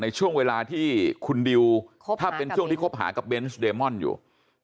ในช่วงเวลาที่คุณดิวถ้าเป็นช่วงที่คบหากับเบนส์เดมอนอยู่